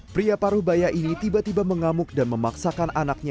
pria parubaya ini tiba tiba mengamuk dan memaksakan anaknya